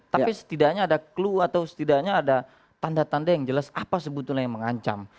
tapi setidaknya ada clue atau setidaknya ada tanda tanda yang jelas apa sebetulnya yang mengancam